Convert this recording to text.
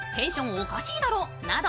おかしいだろ！など